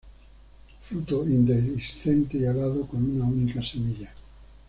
Fruto indehiscente y alado con una única semilla.